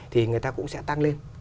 thì người ta cũng sẽ tăng lên